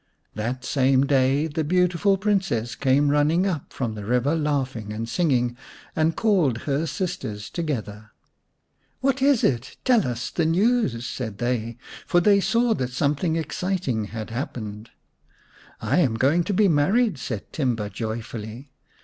That same day the beautiful Princess came running up from the river laughing and singing, and called her sisters together. " What is it ? Tell us the news," said they, for they saw that something exciting had happened. " I am going to be married," said Timba joy fully.